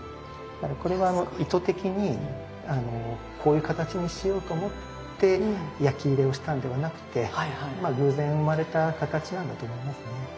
これは意図的にこういう形にしようと思って焼き入れをしたんではなくてまあ偶然生まれた形なんだと思いますね。